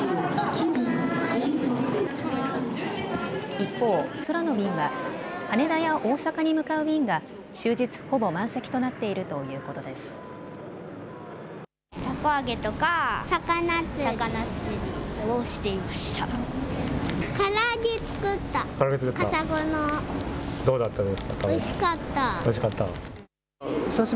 一方、空の便は羽田や大阪に向かう便が終日、ほぼ満席となっているということです。